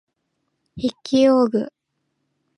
筆記用具